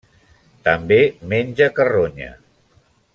També menja carronya.